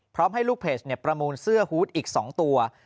พร้อมให้ลูกเพจประมูลเสื้อฮูตอีก๒ตัว